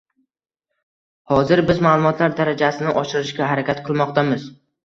Hozir biz maʼlumotlar darajasini oshirishga harakat qilmoqdamiz